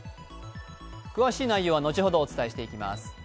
詳しい内容は後ほどお伝えしていきます。